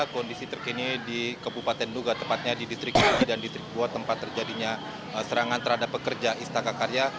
kondisi terkini di kepupaten duga tepatnya di distrik igi dan distrik bua tempat terjadinya serangan terhadap pekerja istaka karya